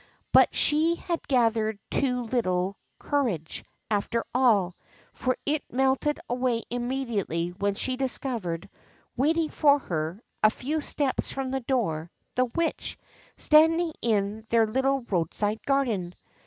But she had gathered too little cour after all ; for it melted away immediately when she discovered, waiting for her, a few steps from the door, the Witch, standing in their little roadside garden.